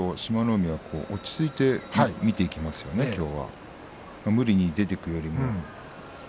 海は落ち着いて見ていきますよね、きょうは無理に出ていかずに。